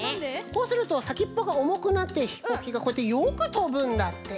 こうするとさきっぽがおもくなってひこうきがこうやってよくとぶんだって。